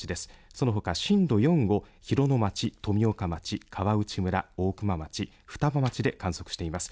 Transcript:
そのほか震度４を広野町、富岡町、川内村、大熊町、双葉町で観測しています。